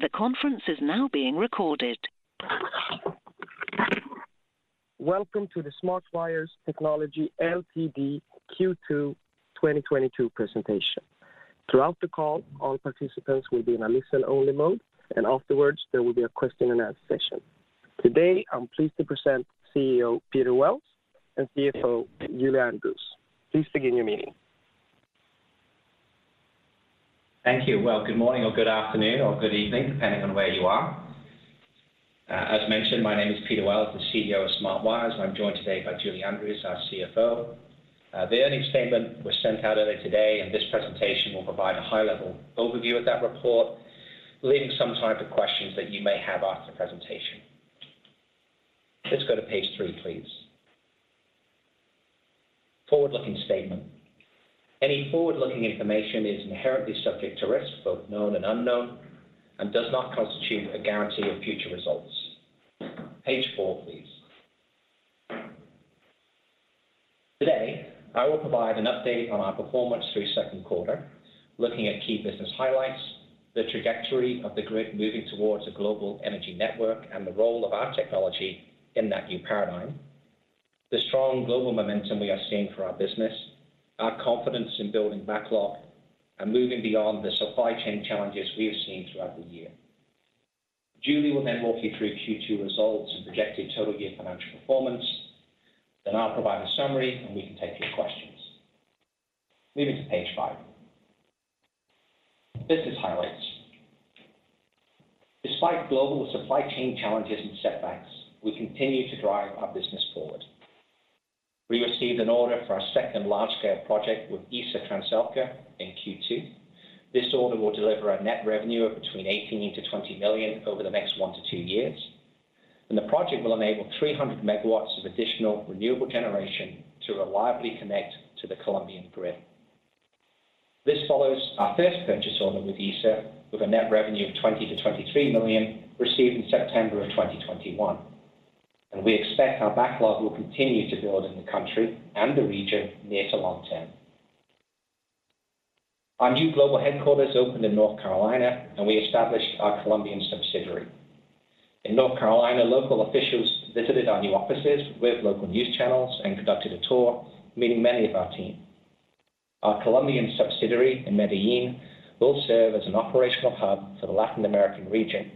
The conference is now being recorded. Welcome to the Smart Wires Technology Ltd Q2 2022 presentation. Throughout the call, all participants will be in a listen-only mode, and afterwards there will be a question-and-answer session. Today, I'm pleased to present CEO, Peter Wells, and CFO, Julie Andrews. Please begin your meeting. Thank you. Well, good morning or good afternoon or good evening, depending on where you are. As mentioned, my name is Peter Wells, the CEO of Smart Wires. I'm joined today by Julie Andrews, our CFO. The earnings statement was sent out earlier today, and this presentation will provide a high-level overview of that report, leaving some time for questions that you may have after the presentation. Let's go to page three, please. Forward-looking statement. Any forward-looking information is inherently subject to risks, both known and unknown, and does not constitute a guarantee of future results. Page four, please. Today, I will provide an update on our performance through second quarter, looking at key business highlights, the trajectory of the grid moving towards a global energy network and the role of our technology in that new paradigm, the strong global momentum we are seeing for our business, our confidence in building backlog, and moving beyond the supply chain challenges we have seen throughout the year. Julie will then walk you through Q2 results and projected total year financial performance. I'll provide a summary, and we can take your questions. Moving to page five. Business highlights. Despite global supply chain challenges and setbacks, we continue to drive our business forward. We received an order for our second large-scale project with ISA TRANSELCA in Q2. This order will deliver a net revenue of between $18 million-$20 million over the next one to two years, and the project will enable 300 MW of additional renewable generation to reliably connect to the Colombian grid. This follows our first purchase order with ISA, with a net revenue of $20 million-$23 million received in September 2021, and we expect our backlog will continue to build in the country and the region near- to long-term. Our new global headquarters opened in North Carolina, and we established our Colombian subsidiary. In North Carolina, local officials visited our new offices with local news channels and conducted a tour, meeting many of our team. Our Colombian subsidiary in Medellín will serve as an operational hub for the Latin American region,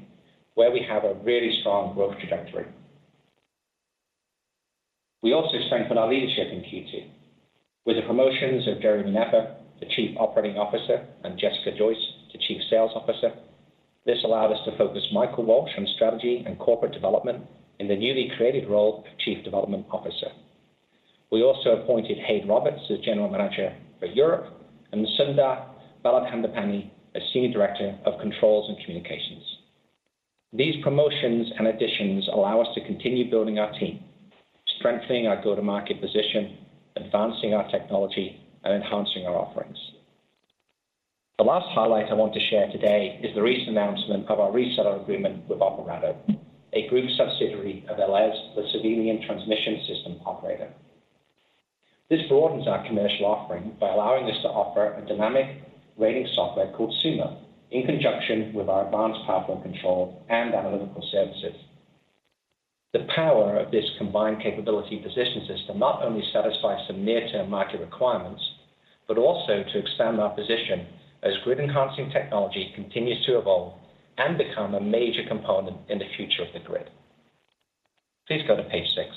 where we have a really strong growth trajectory. We also strengthened our leadership in Q2 with the promotions of Jeremy Knepper, the Chief Operating Officer, and Jessica Joyce, the Chief Sales Officer. This allowed us to focus Michael Walsh on strategy and corporate development in the newly created role of Chief Development Officer. We also appointed Hêdd Roberts as General Manager for Europe and Sundar Baladhandapani as Senior Director of Controls and Communications. These promotions and additions allow us to continue building our team, strengthening our go-to-market position, advancing our technology, and enhancing our offerings. The last highlight I want to share today is the recent announcement of our reseller agreement with Operato, a subsidiary of ELES, the Slovenian transmission system operator. This broadens our commercial offering by allowing us to offer a dynamic line rating software called SUMO in conjunction with our advanced power flow control and analytical services. The power of this combined capability positions us to not only satisfy some near-term market requirements, but also to expand our position as grid-enhancing technology continues to evolve and become a major component in the future of the grid. Please go to page six.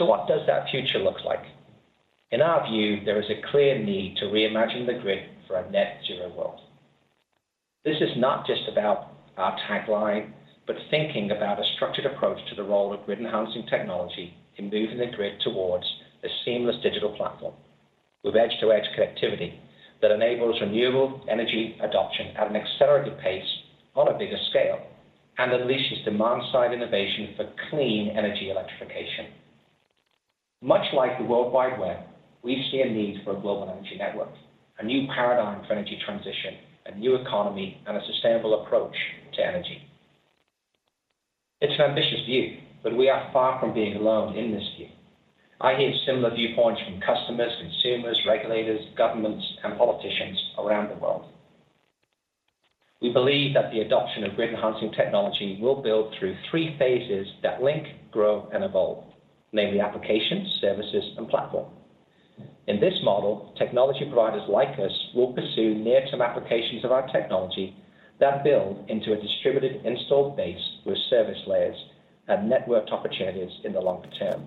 What does that future look like? In our view, there is a clear need to reimagine the grid for a net zero world. This is not just about our tagline, but thinking about a structured approach to the role of grid-enhancing technology in moving the grid towards a seamless digital platform with edge-to-edge connectivity that enables renewable energy adoption at an accelerated pace on a bigger scale and unleashes demand-side innovation for clean energy electrification. Much like the World Wide Web, we see a need for a global energy network, a new paradigm for energy transition, a new economy, and a sustainable approach to energy. It's an ambitious view, but we are far from being alone in this view. I hear similar viewpoints from customers, consumers, regulators, governments, and politicians around the world. We believe that the adoption of Grid-Enhancing Technology will build through three phases that link, grow, and evolve, namely applications, services, and platform. In this model, technology providers like us will pursue near-term applications of our technology that build into a distributed installed base with service layers and networked opportunities in the longer term.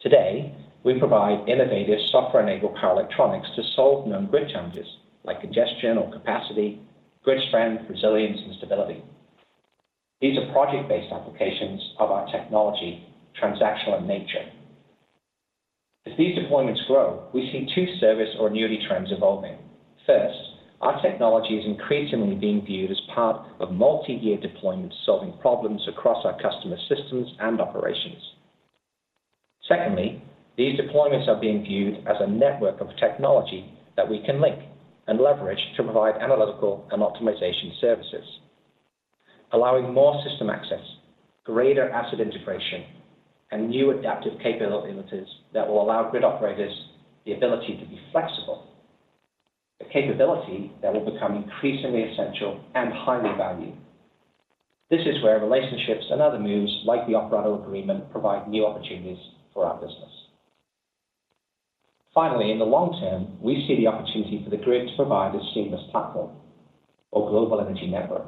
Today, we provide innovative software-enabled power electronics to solve known grid challenges like congestion or capacity, grid strength, resilience, and stability. These are project-based applications of our technology, transactional in nature. As these deployments grow, we see two service or annuity trends evolving. First, our technology is increasingly being viewed as part of multi-year deployments, solving problems across our customer systems and operations. Secondly, these deployments are being viewed as a network of technology that we can link and leverage to provide analytical and optimization services. Allowing more system access, greater asset integration, and new adaptive capabilities that will allow grid operators the ability to be flexible. The capability that will become increasingly essential and highly valued. This is where relationships and other moves like the Operato agreement provide new opportunities for our business. Finally, in the long term, we see the opportunity for the grid to provide a seamless platform or global energy network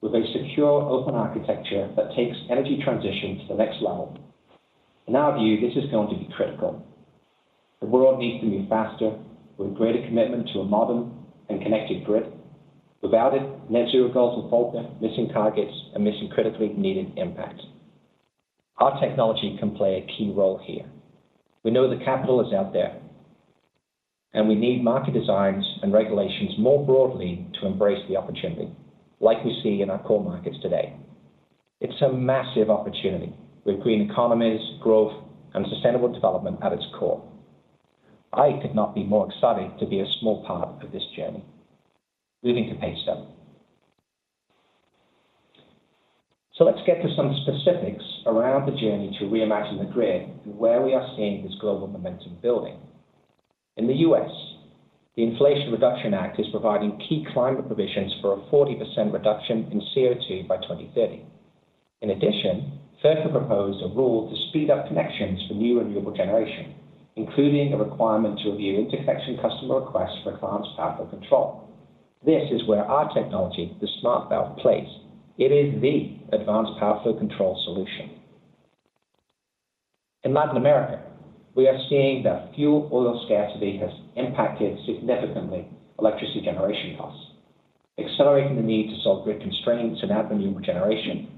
with a secure open architecture that takes energy transition to the next level. In our view, this is going to be critical. The world needs to move faster with greater commitment to a modern and connected grid. Without it, net zero goals will falter, missing targets and missing critically needed impact. Our technology can play a key role here. We know the capital is out there, and we need market designs and regulations more broadly to embrace the opportunity like we see in our core markets today. It's a massive opportunity with green economies, growth, and sustainable development at its core. I could not be more excited to be a small part of this journey. Moving to page seven. Let's get to some specifics around the journey to reimagine the grid and where we are seeing this global momentum building. In the U.S., the Inflation Reduction Act is providing key climate provisions for a 40% reduction in CO2 by 2030. In addition, FERC have proposed a rule to speed up connections for new renewable generation, including a requirement to review interconnection customer requests for advanced power flow control. This is where our technology, the SmartValve, plays. It is the advanced power flow control solution. In Latin America, we are seeing that fuel oil scarcity has impacted significantly electricity generation costs, accelerating the need to solve grid constraints and add renewable generation.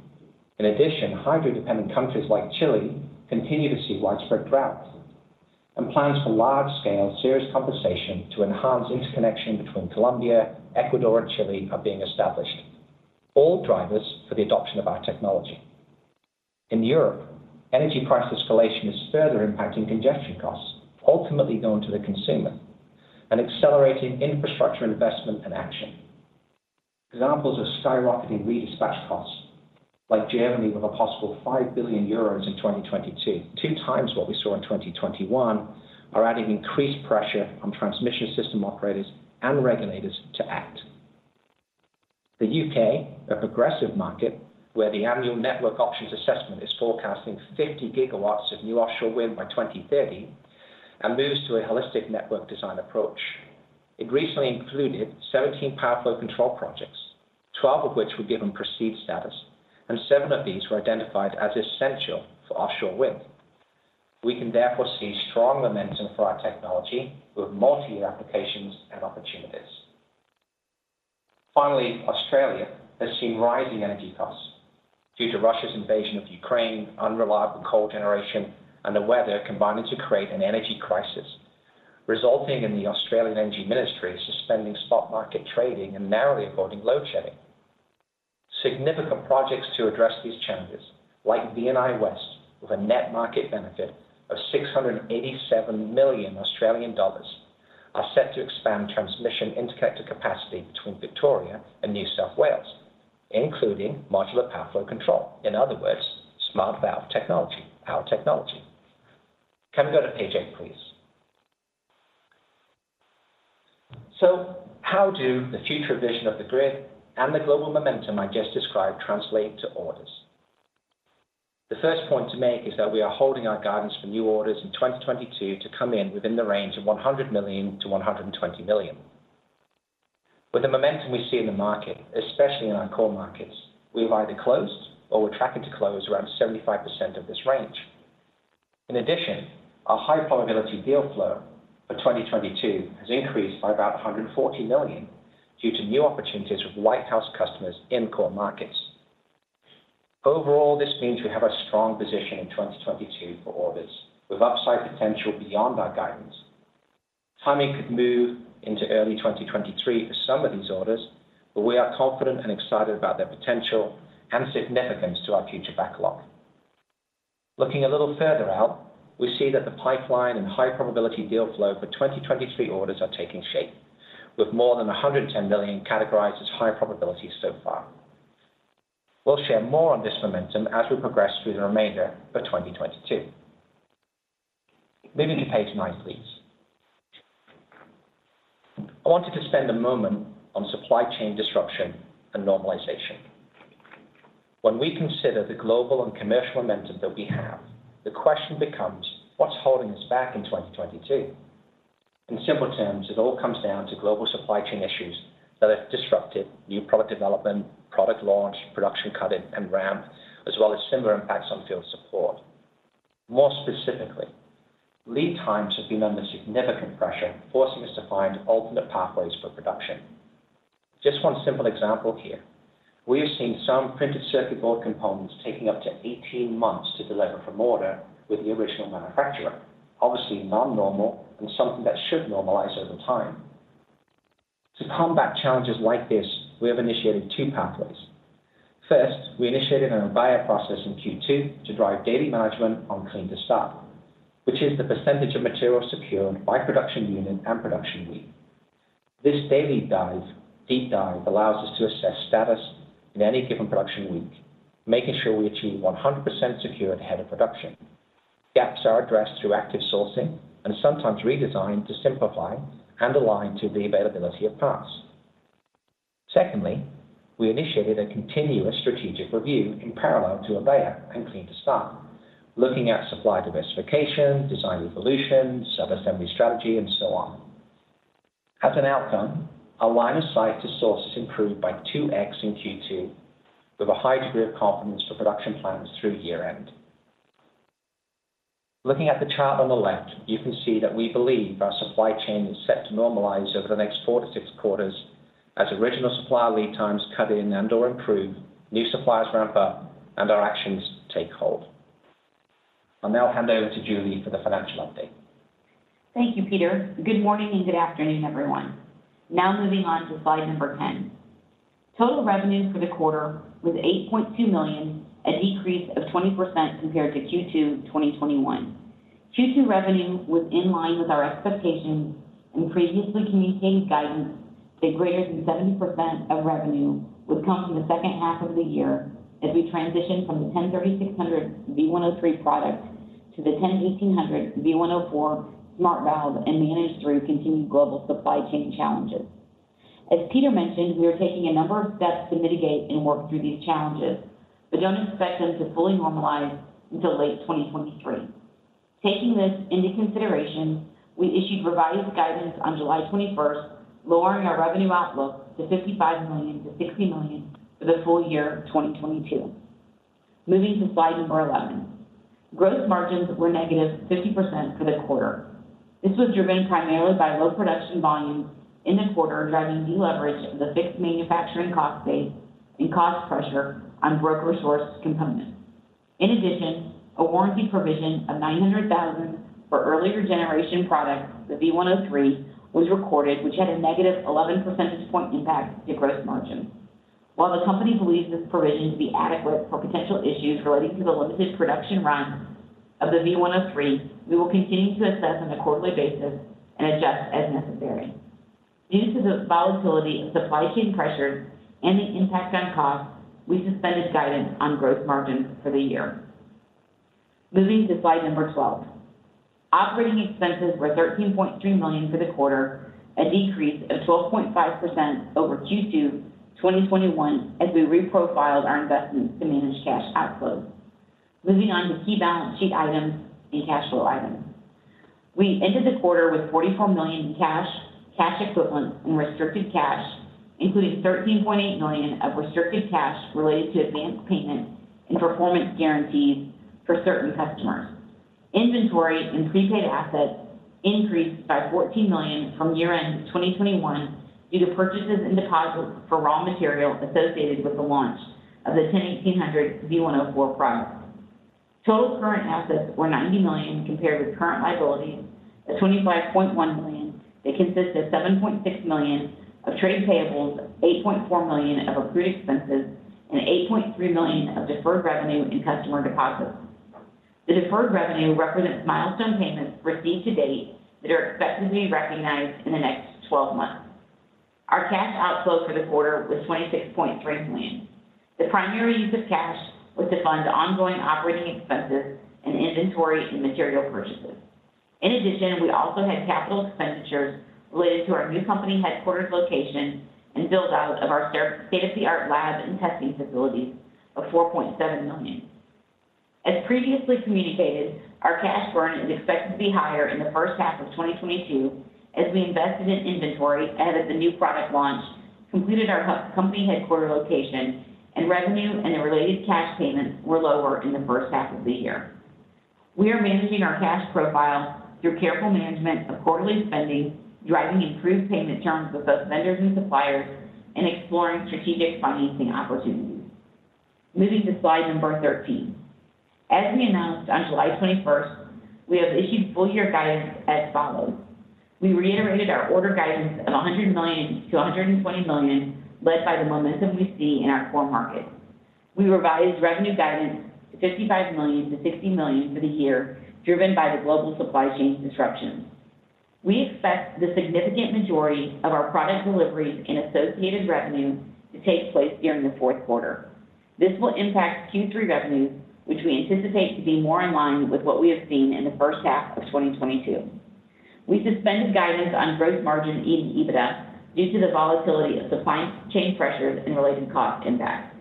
In addition, hydro-dependent countries like Chile continue to see widespread drought and plans for large-scale series compensation to enhance interconnection between Colombia, Ecuador, and Chile are being established. All drivers for the adoption of our technology. In Europe, energy price escalation is further impacting congestion costs, ultimately going to the consumer and accelerating infrastructure investment and action. Examples of skyrocketing redispatch costs like Germany, with a possible 5 billion euros in 2022, two times what we saw in 2021, are adding increased pressure on transmission system operators and regulators to act. The U.K., a progressive market where the annual Network Options Assessment is forecasting 50 GW of new offshore wind by 2030 and moves to a Holistic Network Design approach. It recently included 17 power flow control projects, 12 of which were given proceed status, and seven of these were identified as essential for offshore wind. We can therefore see strong momentum for our technology with multi-year applications and opportunities. Finally, Australia has seen rising energy costs due to Russia's invasion of Ukraine, unreliable coal generation, and the weather combining to create an energy crisis, resulting in the Australian Energy Ministry suspending spot market trading and narrowly avoiding load shedding. Significant projects to address these challenges, like VNI West, with a net market benefit of 687 million Australian dollars, are set to expand transmission interconnector capacity between Victoria and New South Wales, including modular power flow control. In other words, SmartValve technology, our technology. Can we go to page eight, please? How do the future vision of the grid and the global momentum I just described translate to orders? The first point to make is that we are holding our guidance for new orders in 2022 to come in within the range of $100 million-$120 million. With the momentum we see in the market, especially in our core markets, we have either closed or we're tracking to close around 75% of this range. In addition, our high probability deal flow for 2022 has increased by about $140 million due to new opportunities with white house customers in core markets. Overall, this means we have a strong position in 2022 for orders, with upside potential beyond our guidance. Timing could move into early 2023 for some of these orders, but we are confident and excited about their potential and significance to our future backlog. Looking a little further out, we see that the pipeline and high probability deal flow for 2023 orders are taking shape, with more than $110 million categorized as high probability so far. We'll share more on this momentum as we progress through the remainder of 2022. Moving to page nine, please. I wanted to spend a moment on supply chain disruption and normalization. When we consider the global and commercial momentum that we have, the question becomes, what's holding us back in 2022? In simple terms, it all comes down to global supply chain issues that have disrupted new product development, product launch, production cut in and ramp, as well as similar impacts on field support. More specifically, lead times have been under significant pressure, forcing us to find alternate pathways for production. Just one simple example here. We have seen some printed circuit board components taking up to 18 months to deliver from order with the original manufacturer. Obviously, non-normal and something that should normalize over time. To combat challenges like this, we have initiated two pathways. First, we initiated an a buy-up process in Q2 to drive daily management on clean to stock, which is the percentage of material secured by production unit and production week. This daily deep dive allows us to assess status in any given production week, making sure we achieve 100% secure ahead of production. Gaps are addressed through active sourcing and sometimes redesigned to simplify and align to the availability of parts. Secondly, we initiated a continuous strategic review in parallel to a beta and clean to start, looking at supply diversification, design evolution, subassembly strategy, and so on. As an outcome, our line of sight to source improved by 2x in Q2 with a high degree of confidence for production plans through year-end. Looking at the chart on the left, you can see that we believe our supply chain is set to normalize over the next four to six quarters as original supply lead times cut in and/or improve, new suppliers ramp up, and our actions take hold. I'll now hand over to Julie for the financial update. Thank you, Peter. Good morning and good afternoon, everyone. Now moving on to slide number 10. Total revenue for the quarter was $8.2 million, a decrease of 20% compared to Q2 2021. Q2 revenue was in line with our expectations and previously communicated guidance that greater than 70% of revenue would come from the second half of the year as we transition from the 10-3600 v1.03 product to the 10-1800 v1.04 SmartValve and manage through continued global supply chain challenges. As Peter mentioned, we are taking a number of steps to mitigate and work through these challenges, but don't expect them to fully normalize until late 2023. Taking this into consideration, we issued revised guidance on July 21st, lowering our revenue outlook to $55 million-$60 million for the full year 2022. Moving to slide number 11. Gross margins were -50% for the quarter. This was driven primarily by low production volumes in the quarter, driving deleverage of the fixed manufacturing cost base and cost pressure on broker-sourced components. In addition, a warranty provision of $900,000 for earlier generation products, the v1.03, was recorded, which had a -11 percentage point impact to gross margin. While the company believes this provision to be adequate for potential issues relating to the limited production run of the v1.03, we will continue to assess on a quarterly basis and adjust as necessary. Due to the volatility of supply chain pressures and the impact on costs, we suspended guidance on gross margins for the year. Moving to slide number 12. Operating expenses were $13.3 million for the quarter, a decrease of 12.5% over Q2 2021, as we reprofiled our investments to manage cash outflows. Moving on to key balance sheet items and cash flow items. We ended the quarter with $44 million in cash equivalents, and restricted cash, including $13.8 million of restricted cash related to advanced payment and performance guarantees for certain customers. Inventory and prepaid assets increased by $14 million from year-end 2021 due to purchases and deposits for raw material associated with the launch of the SmartValve 10-1800 v1.04 product. Total current assets were $90 million compared with current liabilities of $25.1 million. They consist of $7.6 million of trade payables, $8.4 million of accrued expenses, and $8.3 million of deferred revenue and customer deposits. The deferred revenue represents milestone payments received to date that are expected to be recognized in the next 12 months. Our cash outflow for the quarter was $26.3 million. The primary use of cash was to fund ongoing operating expenses and inventory and material purchases. In addition, we also had capital expenditures related to our new company headquarters location and build-out of our state-of-the-art lab and testing facilities of $4.7 million. As previously communicated, our cash burn is expected to be higher in the first half of 2022 as we invested in inventory ahead of the new product launch, completed our headquarters location, and revenue and the related cash payments were lower in the first half of the year. We are managing our cash profile through careful management of quarterly spending, driving improved payment terms with both vendors and suppliers, and exploring strategic financing opportunities. Moving to slide number 13. As we announced on July 21st, we have issued full year guidance as follows. We reiterated our order guidance of $100 million-$120 million, led by the momentum we see in our core markets. We revised revenue guidance to $55 million-$60 million for the year, driven by the global supply chain disruptions. We expect the significant majority of our product deliveries and associated revenue to take place during the fourth quarter. This will impact Q3 revenues, which we anticipate to be more in line with what we have seen in the first half of 2022. We suspended guidance on gross margin and EBITDA due to the volatility of supply chain pressures and related cost impacts.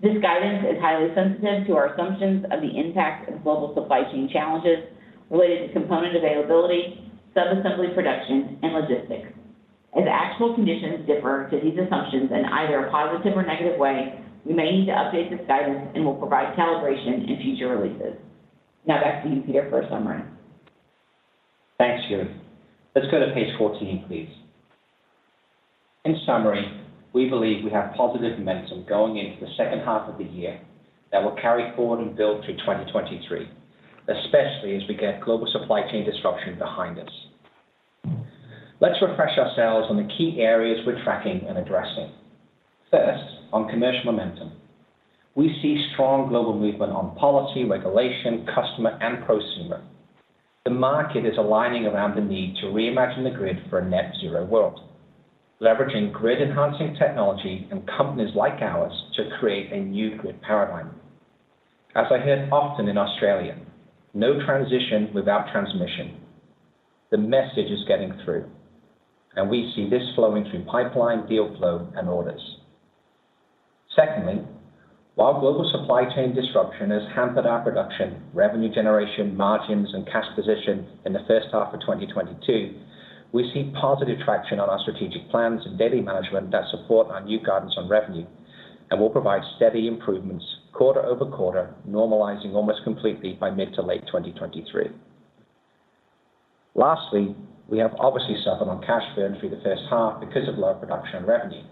This guidance is highly sensitive to our assumptions of the impact of global supply chain challenges related to component availability, subassembly production, and logistics. If actual conditions differ to these assumptions in either a positive or negative way, we may need to update this guidance and will provide calibration in future releases. Now back to you, Peter, for a summary. Thanks, Julie. Let's go to page 14, please. In summary, we believe we have positive momentum going into the second half of the year that will carry forward and build through 2023, especially as we get global supply chain disruption behind us. Let's refresh ourselves on the key areas we're tracking and addressing. First, on commercial momentum. We see strong global movement on policy, regulation, customer and prosumer. The market is aligning around the need to reimagine the grid for a net zero world, leveraging grid enhancing technology and companies like ours to create a new grid paradigm. As I hear often in Australia, no transition without transmission. The message is getting through, and we see this flowing through pipeline, deal flow and orders. Secondly, while global supply chain disruption has hampered our production, revenue generation, margins, and cash position in the first half of 2022, we see positive traction on our strategic plans and daily management that support our new guidance on revenue and will provide steady improvements quarter over quarter, normalizing almost completely by mid- to late 2023. Lastly, we have obviously suffered on cash burn through the first half because of lower production revenue.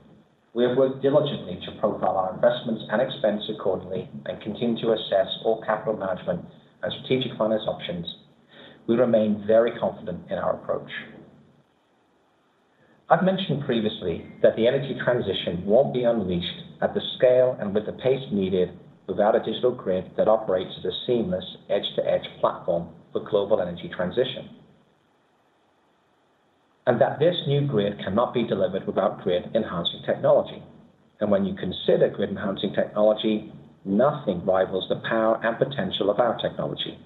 We have worked diligently to profile our investments and expense accordingly and continue to assess all capital management and strategic finance options. We remain very confident in our approach. I've mentioned previously that the energy transition won't be unleashed at the scale and with the pace needed without a digital grid that operates as a seamless edge-to-edge platform for global energy transition. That this new grid cannot be delivered without Grid-Enhancing Technology. When you consider Grid-Enhancing Technology, nothing rivals the power and potential of our technology.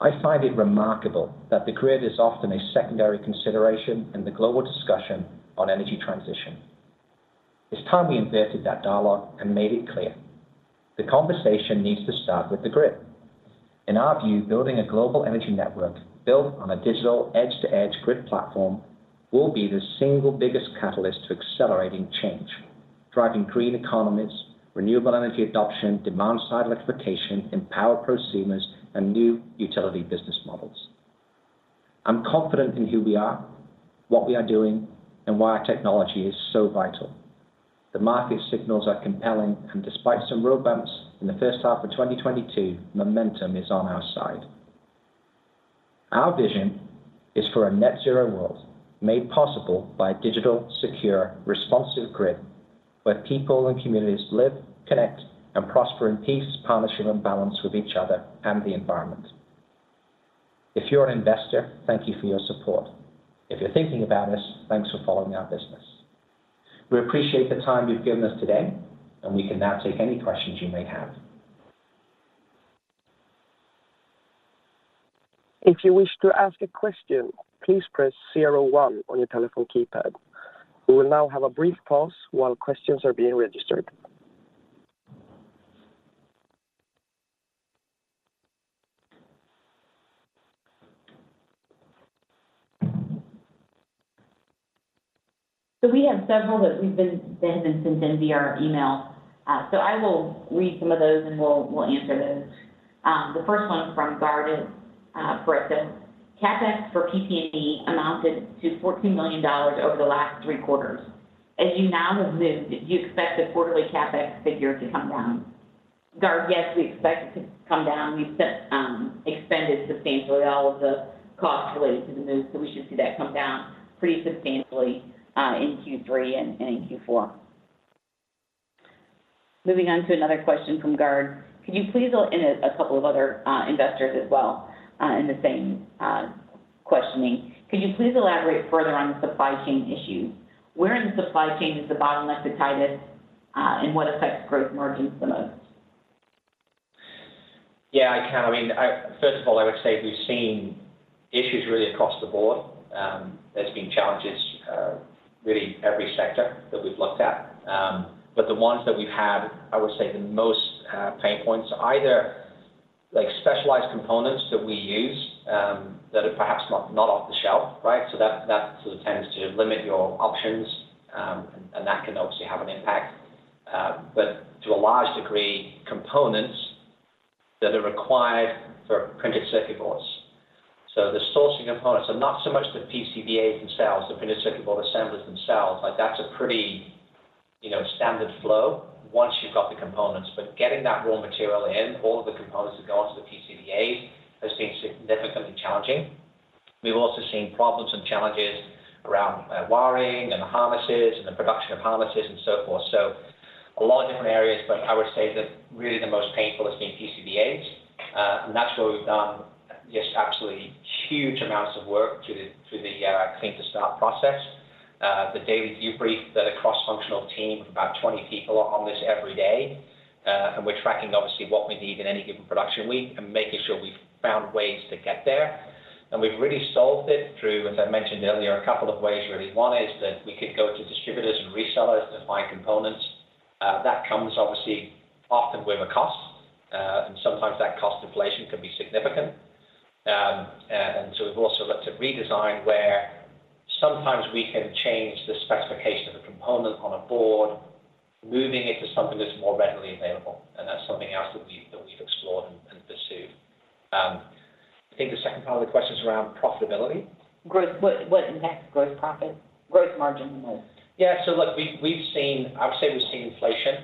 I find it remarkable that the grid is often a secondary consideration in the global discussion on energy transition. It's time we inverted that dialogue and made it clear. The conversation needs to start with the grid. In our view, building a global energy network built on a digital edge-to-edge grid platform will be the single biggest catalyst to accelerating change, driving green economies, renewable energy adoption, demand-side electrification, empowered prosumers, and new utility business models. I'm confident in who we are, what we are doing, and why our technology is so vital. The market signals are compelling, and despite some road bumps in the first half of 2022, momentum is on our side. Our vision is for a net zero world made possible by a digital, secure, responsive grid where people and communities live, connect, and prosper in peace, partnership, and balance with each other and the environment. If you're an investor, thank you for your support. If you're thinking about us, thanks for following our business. We appreciate the time you've given us today, and we can now take any questions you may have. If you wish to ask a question, please press zero-one on your telephone keypad. We will now have a brief pause while questions are being registered. We have several that have been sent in via our email. I will read some of those, and we'll answer those. The first one is from Gard Brita. CapEx for PP&E amounted to $14 million over the last three quarters. As you now have moved, do you expect the quarterly CapEx figure to come down? Gard, yes, we expect it to come down. We've expended substantially all of the costs related to the move, so we should see that come down pretty substantially in Q3 and in Q4. Moving on to another question from Gard and a couple of other investors as well in the same questioning. Could you please elaborate further on the supply chain issues? Where in the supply chain is the bottleneck the tightest, and what affects growth margins the most? Yeah, I can. I mean, first of all, I would say we've seen issues really across the board. There's been challenges really every sector that we've looked at. The ones that we've had, I would say the most pain points, either like specialized components that we use that are perhaps not off the shelf, right? That sort of tends to limit your options and that can obviously have an impact. To a large degree, components that are required for printed circuit boards. The sourcing components are not so much the PCBA themselves, the printed circuit board assemblies themselves. Like that's a pretty, you know, standard flow once you've got the components. Getting that raw material in, all of the components that go onto the PCBA has been significantly challenging. We've also seen problems and challenges around wiring and the harnesses and the production of harnesses and so forth. A lot of different areas, but I would say that really the most painful has been PCBAs. And that's where we've done just absolutely huge amounts of work through the clean to start process. The daily debrief that a cross-functional team of about 20 people are on this every day. And we're tracking obviously what we need in any given production week and making sure we've found ways to get there. We've really solved it through, as I mentioned earlier, a couple of ways, really. One is that we could go to distributors and resellers to find components. That comes obviously often with a cost, and sometimes that cost inflation can be significant. We've also looked at redesign, where sometimes we can change the specification of a component on a board, moving it to something that's more readily available. That's something else that we've explored and pursued. I think the second part of the question is around profitability. What impacts growth margin the most? I would say we've seen inflation.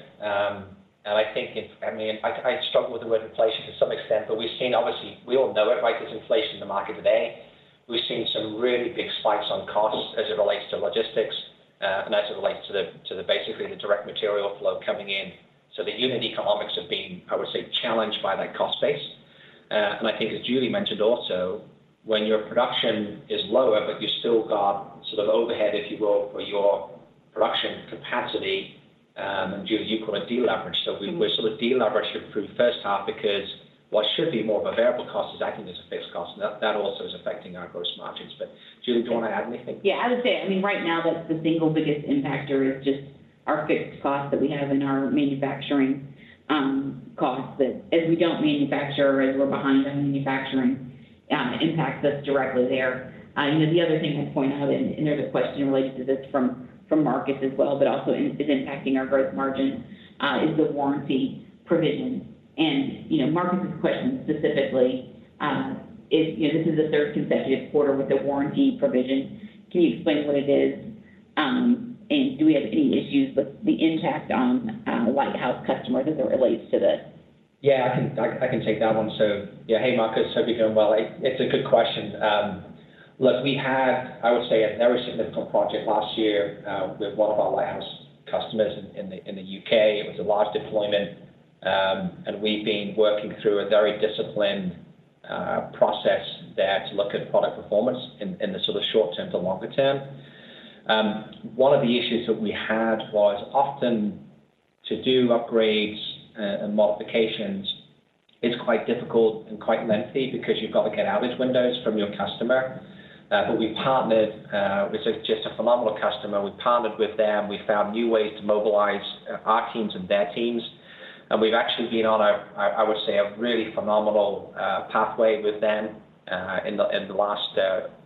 I think I struggle with the word inflation to some extent, but we've seen obviously we all know it, right? There's inflation in the market today. We've seen some really big spikes on costs as it relates to logistics, and as it relates to the basically the direct material flow coming in. The unit economics have been, I would say, challenged by that cost base. I think as Julie mentioned also, when your production is lower, but you still got sort of overhead, if you will, for your production capacity, Julie, you call it deleverage. The deleverage through first half, because what should be more of a variable cost is acting as a fixed cost, and that also is affecting our gross margins. Julie, do you want to add anything? Yeah, I would say, I mean, right now that's the single biggest impactor is just our fixed costs that we have in our manufacturing costs that as we don't manufacture, as we're behind on manufacturing, impacts us directly there. You know, the other thing I'd point out, and there's a question related to this from Marcus as well, but also is impacting our gross margin is the warranty provision. You know, Marcus's question specifically is, you know, this is the third consecutive quarter with the warranty provision. Can you explain what it is, and do we have any issues with the impact on lighthouse customers as it relates to this? I can take that one. Hey, Marcus, hope you're doing well. It's a good question. Look, we had, I would say, a very significant project last year with one of our lighthouse customers in the U.K. It was a large deployment, and we've been working through a very disciplined process there to look at product performance in the sort of short term to longer term. One of the issues that we had was often to do upgrades and modifications, it's quite difficult and quite lengthy because you've got to get outage windows from your customer. We partnered with just a phenomenal customer. We partnered with them. We found new ways to mobilize our teams and their teams. We've actually been on a, I would say, a really phenomenal pathway with them in the last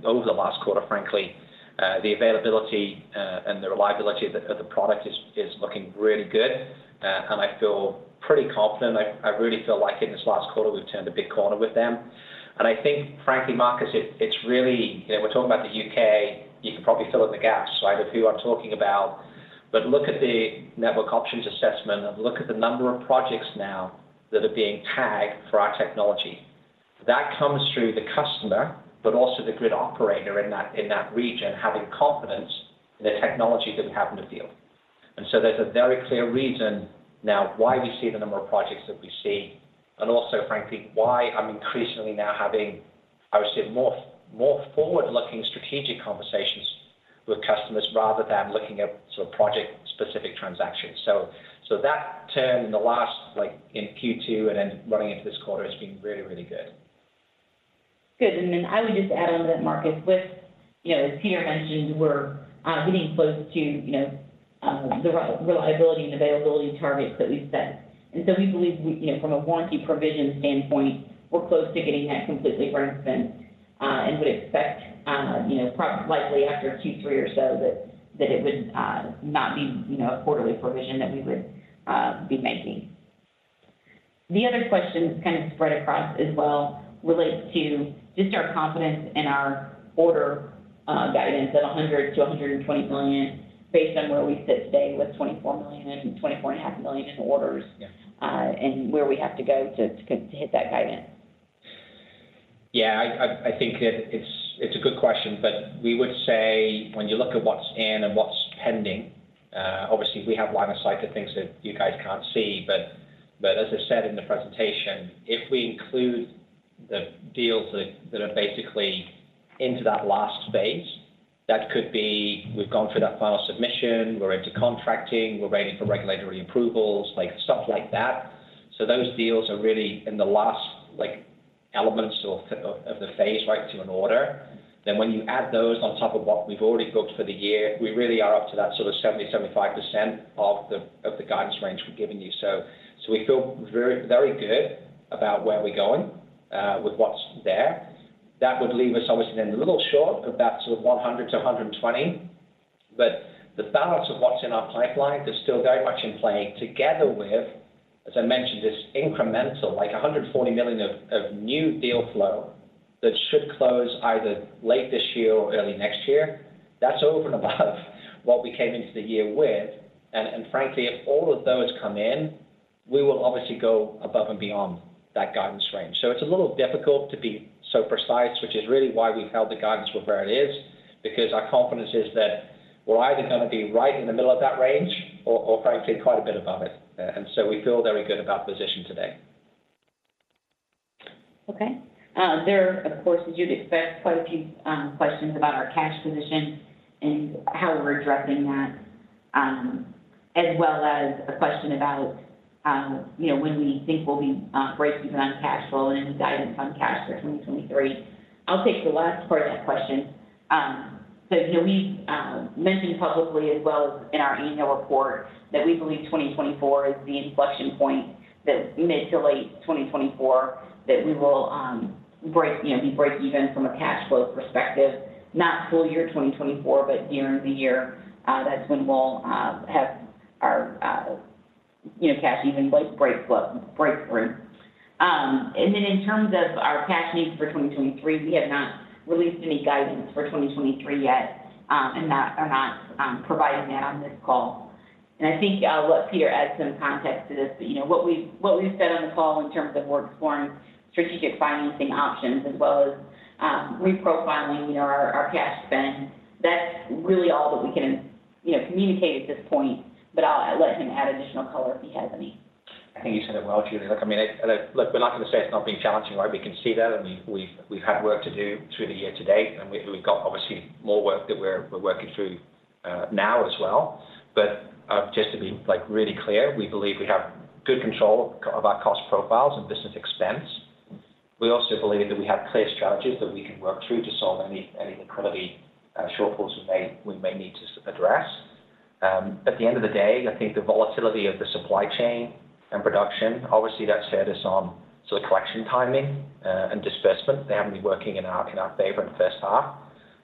over the last quarter, frankly. The availability and the reliability of the product is looking really good. I feel pretty confident. I really feel like in this last quarter, we've turned a big corner with them. I think, frankly, Marcus, it's really. You know, we're talking about the U.K. You can probably fill in the gaps, right, of who I'm talking about. Look at the Network Options Assessment and look at the number of projects now that are being tagged for our technology. That comes through the customer, but also the grid operator in that region, having confidence in the technology that we happen to build. There's a very clear reason now why we see the number of projects that we see, and also, frankly, why I'm increasingly now having, I would say, more forward-looking strategic conversations with customers rather than looking at sort of project-specific transactions. So that turn in the last, like in Q2 and then running into this quarter has been really, really good. Good. Then I would just add on that, Marcus, with, you know, as Peter mentioned, we're getting close to, you know, the reliability and availability targets that we've set. We believe we, you know, from a warranty provision standpoint, we're close to getting that completely burned in, and would expect, you know, likely after Q3 or so that it would not be, you know, a quarterly provision that we would be making. The other questions kind of spread across as well relate to just our confidence in our order guidance at $100 million-$120 million based on where we sit today with $24 million and $24.5 million in orders. Yeah. Where we have to go to hit that guidance. Yeah, I think it's a good question, but we would say when you look at what's in and what's pending, obviously we have line of sight to things that you guys can't see. As I said in the presentation, if we include the deals that are basically into that last phase, that could be we've gone through that final submission, we're into contracting, we're waiting for regulatory approvals, like, stuff like that. Those deals are really in the last, like, elements or phase of the phase right to an order. When you add those on top of what we've already booked for the year, we really are up to that sort of 75% of the guidance range we've given you. We feel very good about where we're going with what's there. That would leave us obviously then a little short of that sort of $100 million-$120 million. The balance of what's in our pipeline is still very much in play together with, as I mentioned, this incremental, like $140 million of new deal flow that should close either late this year or early next year. That's over and above what we came into the year with. Frankly, if all of those come in, we will obviously go above and beyond that guidance range. It's a little difficult to be so precise, which is really why we held the guidance where it is, because our confidence is that we're either gonna be right in the middle of that range or frankly, quite a bit above it. We feel very good about position today. Okay. There of course, as you'd expect, quite a few questions about our cash position and how we're addressing that, as well as a question about, you know, when we think we'll be break even on cash flow and any guidance on cash for 2023. I'll take the last part of that question. You know, we've mentioned publicly as well as in our annual report that we believe 2024 is the inflection point, that mid to late 2024, that we will break even from a cash flow perspective, not full year 2024, but during the year, that's when we'll have our cash flow breakthrough. In terms of our cash needs for 2023, we have not released any guidance for 2023 yet, and are not providing that on this call. I think let Peter add some context to this. You know, what we've said on the call in terms of we're exploring strategic financing options as well as reprofiling our cash spend, that's really all that we can, you know, communicate at this point. I'll let him add additional color if he has any. I think you said it well, Julie. Look, I mean, look, we're not gonna say it's not been challenging, right? We can see that, and we've had work to do through the year to date, and we've got obviously more work that we're working through now as well. Just to be, like, really clear, we believe we have good control of our cost profiles and business expense. We also believe that we have clear strategies that we can work through to solve any liquidity shortfalls we may need to address. At the end of the day, I think the volatility of the supply chain and production, obviously that's had us on sort of collection timing and disbursement. They haven't been working in our favor in the first half.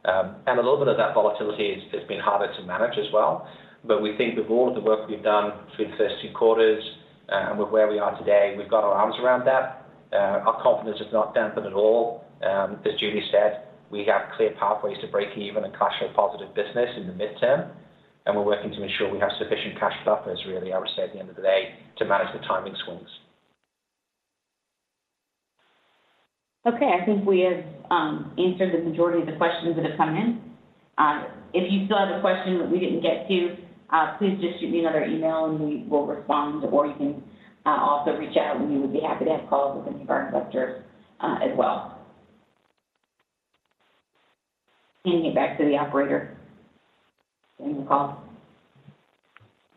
A little bit of that volatility has been harder to manage as well. We think with all of the work we've done through the first two quarters, and with where we are today, we've got our arms around that. Our confidence is not dampened at all. As Julie said, we have clear pathways to break even a cash flow positive business in the midterm, and we're working to ensure we have sufficient cash buffers, really, I would say, at the end of the day, to manage the timing swings. Okay. I think we have answered the majority of the questions that have come in. If you still have a question that we didn't get to, please just shoot me another email, and we will respond, or you can also reach out, and we would be happy to have calls with any of our investors, as well. Handing it back to the operator. Ending the call.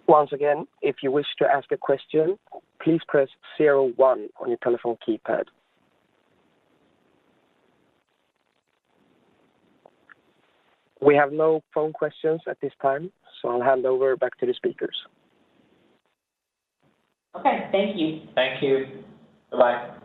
Once again, if you wish to ask a question, please press zero one on your telephone keypad. We have no phone questions at this time, so I'll hand over back to the speakers. Okay. Thank you. Thank you. Bye-bye.